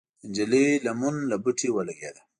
د نجلۍ لمن له بوټي ولګېده.